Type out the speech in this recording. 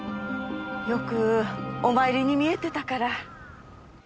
よくお参りに見えてたから。